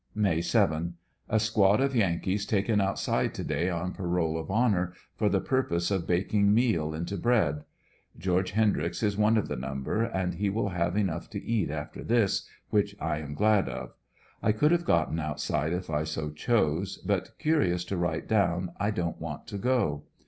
May 7. —A squad of Yankees taken outside to day on parole of honor, for the purpose of baking meal into bread George Hen dryx is one of the number, and he will have enough to eat after this, which I am glad of. I could have tjotten outside if I so chose, but curious to write down I don't want to go.